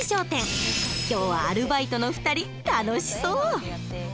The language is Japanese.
今日はアルバイトの２人楽しそう。